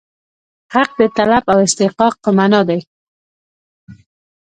حق د طلب او استحقاق په معنا دی.